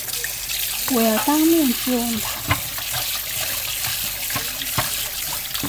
我要当面质问他